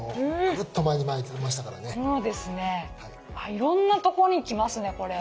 いろんなとこにきますねこれ。